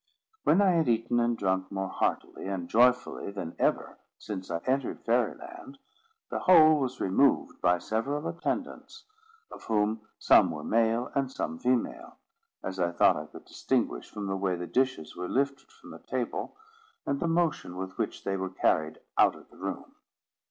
When I had eaten and drank more heartily and joyfully than ever since I entered Fairy Land, the whole was removed by several attendants, of whom some were male and some female, as I thought I could distinguish from the way the dishes were lifted from the table, and the motion with which they were carried out of the room.